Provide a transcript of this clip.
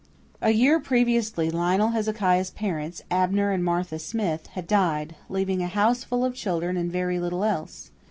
A year previously Lionel Hezekiah's parents, Abner and Martha Smith, had died, leaving a houseful of children and very little else.